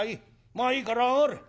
まあいいから上がれ。